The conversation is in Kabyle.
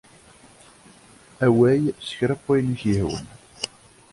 Awey s kra n wayen ay ak-yehwan.